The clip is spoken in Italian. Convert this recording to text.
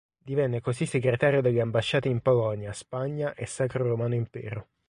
Divenne così segretario delle ambasciate in Polonia, Spagna e Sacro Romano Impero.